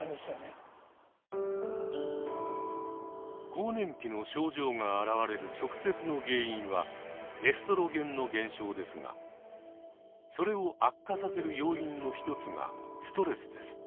更年期の症状があらわれる直接の原因はエストロゲンの減少ですがそれを悪化させる要因の一つがストレスです。